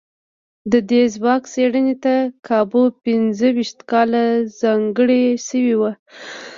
د دې ځواک څېړنې ته کابو پينځو ويشت کاله ځانګړي شوي وو.